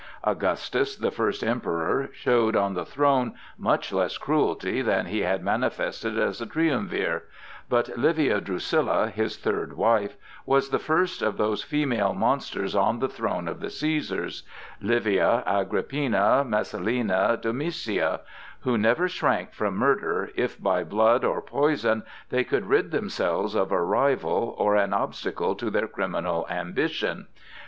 Augustus, the first Emperor, showed on the throne much less cruelty than he had manifested as a triumvir; but Livia Drusilla, his third wife, was the first of those female monsters on the throne of the Cæsars—Livia, Agrippina, Messalina, Domitia—who never shrank from murder, if by blood or poison they could rid themselves of a rival or of an obstacle to their criminal ambition.